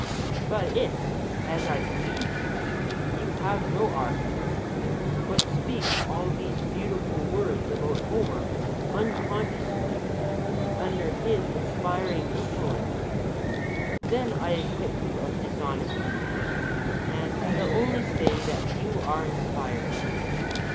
But if, as I believe, you have no art, but speak all these beautiful words about Homer unconsciously under his inspiring influence, then I acquit you of dishonesty, and shall only say that you are inspired.